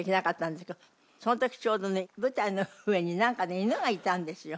その時ちょうどね舞台の上になんかね犬がいたんですよ。